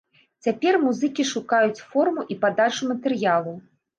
Цяпер музыкі шукаюць форму і падачу матэрыялу.